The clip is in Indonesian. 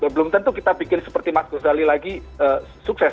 belum tentu kita bikin seperti mas gozali lagi sukses